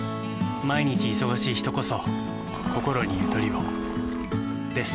毎日忙しい人こそこころにゆとりをです。